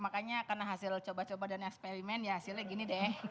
makanya karena hasil coba coba dan eksperimen ya hasilnya gini deh